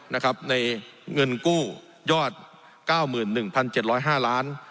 ในเงินกู้ยอด๙๑๗๐๕ล้าน